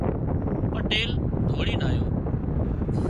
پٽيل ڌوڙينَ آيو